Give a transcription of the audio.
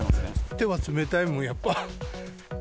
手は冷たいもん、やっぱ。